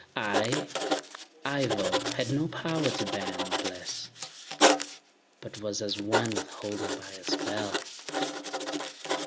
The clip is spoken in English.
I, Ivo, had no power to ban or bless, But was as one withholden by a spell.